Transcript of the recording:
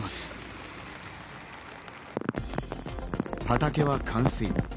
畑は冠水。